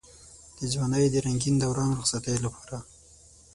د ځوانۍ د رنګين دوران رخصتۍ لپاره.